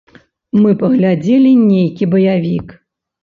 Мы паглядзелі нейкі баявік.